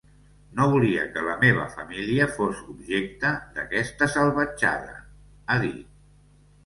No volia que la meva família fos objecte d’aquesta salvatjada, ha dit.